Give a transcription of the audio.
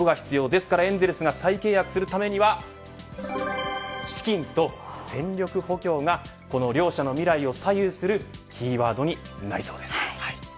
ですからエンゼルスと再契約するためには資金と戦力補強がこの両者の未来を左右するキーワードになりそうです。